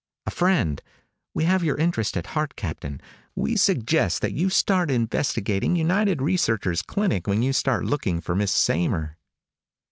"A friend. We have your interest at heart, Captain. We suggest that you investigate United Researchers' clinic when you start looking for Miss Saymer."